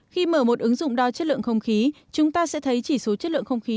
khi mở một ứng dụng đo chất lượng không khí chúng ta sẽ thấy chỉ số chất lượng không khí